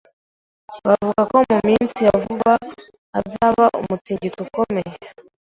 Bavuga ko mu minsi ya vuba hazaba umutingito ukomeye.